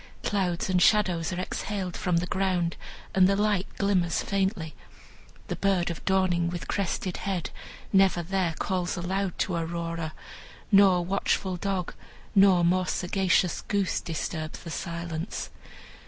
Clouds and shadows are exhaled from the ground, and the light glimmers faintly. The bird of dawning, with crested head, never there calls aloud to Aurora, nor watchful dog, nor more sagacious goose disturbs the silence.